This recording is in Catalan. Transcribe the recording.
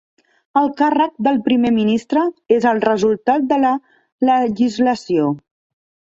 El càrrec de Primer Ministre és el resultat de la legislació.